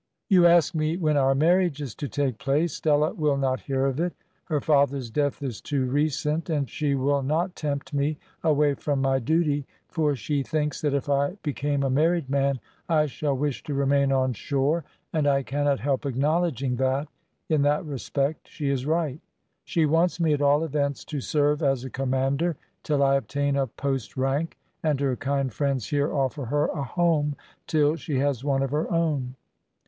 "You ask me when our marriage is to take place. Stella will not hear of it; her father's death is too recent; and she will not tempt me away from my duty, for she thinks that if I became a married man I shall wish to remain on shore; and I cannot help acknowledging that, in that respect, she is right. She wants me, at all events, to serve as a commander till I obtain a post rank; and her kind friends here offer her a home till she has one of her own.